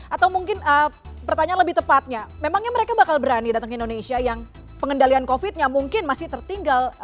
atau mungkin pertanyaan lebih tepatnya memangnya mereka bakal berani datang ke indonesia yang pengendalian covid nya mungkin masih tertinggal